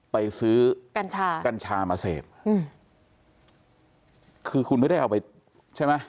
ไปซื้อกัญชากัญชามาเสพอืมคือคุณไม่ได้เอาไปใช่ไหม